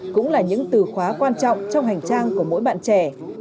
cũng là những từ khóa quan trọng trong hành trang của mỗi bạn trẻ